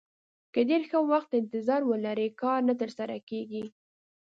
که ډېر ښه وخت ته انتظار ولرئ کار نه ترسره کېږي.